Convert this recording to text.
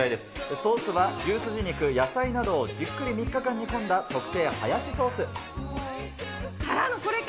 ソースは牛すじ肉、野菜などをじっくり３日間煮込んだ特製ハヤシソース。からのこれか。